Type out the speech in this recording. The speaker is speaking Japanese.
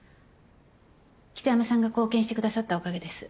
北山さんが貢献してくださったおかげです。